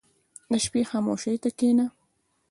• د شپې خاموشي ته کښېنه.